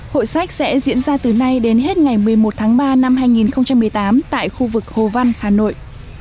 hội sách sẽ diễn ra từ nay đến hết ngày một mươi một tháng ba năm hai nghìn một mươi tám tại khu vực hồ văn hà nội